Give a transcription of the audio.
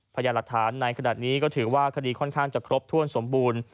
พยายามหลักฐานในขณะนี้ก็ถือว่าคดีค่อนข้างจะครบถ้วนสมบูรณ์